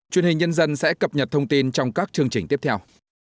truyền hình nhân dân sẽ cập nhật thông tin trong các chương trình tiếp theo